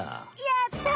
やった！